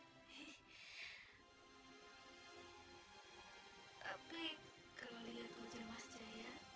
tapi kalau lihat hujan mas jaya